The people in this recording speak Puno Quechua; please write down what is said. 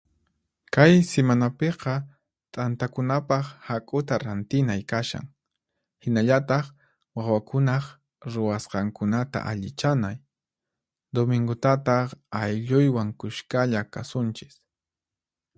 Kay simanapiqa t'antakunapaq hak'uta rantinay kashan, hinallataq wawakunaq ruwasqankunata allichanay. Duminkutataq aylluywan kushkalla kasunchis.